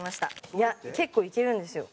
いや結構いけるんですよ。